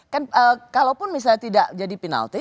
kan kalaupun misalnya tidak jadi penalti